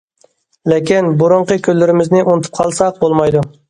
لېكىن، بۇرۇنقى كۈنلىرىمىزنى ئۇنتۇپ قالساق بولمايدۇ.